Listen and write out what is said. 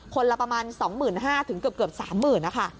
ละประมาณ๒๕๐๐ถึงเกือบ๓๐๐๐นะคะ